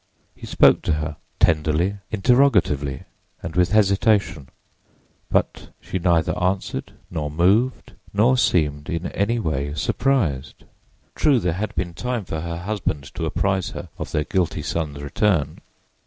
He spoke to her—tenderly, interrogatively, and with hesitation, but she neither answered, nor moved, nor seemed in any way surprised. True, there had been time for her husband to apprise her of their guilty son's return.